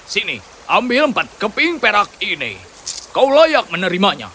sini ambil empat keping perak ini kau layak menerimanya